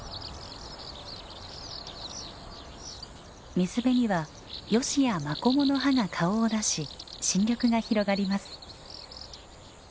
水辺にはヨシやマコモの葉が顔を出し新緑が広がります。